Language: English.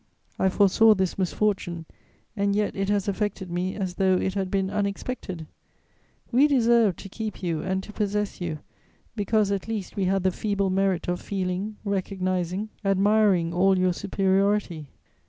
I foresaw this misfortune, and yet it has affected me as though it had been unexpected. We deserved to keep you and to possess you, because at least we had the feeble merit of feeling, recognizing, admiring all your superiority.